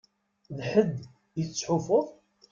D ḥedd i tettḥufuḍ?